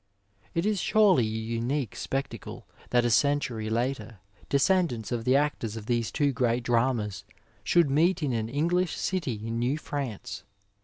It is surely a unique spectacle that a century later descendants of the actors of these two great dramas should meet in an English city in New France.